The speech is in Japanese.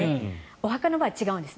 お墓の場合は違うんです。